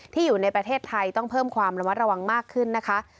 อยู่ในประเทศไทยต้องเพิ่มความระมัดระวังมากขึ้นนะคะ